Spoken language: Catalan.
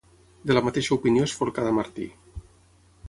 De la mateixa opinió és Forcada Martí.